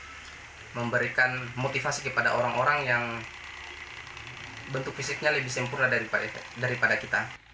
kita memberikan motivasi kepada orang orang yang bentuk fisiknya lebih sempurna daripada kita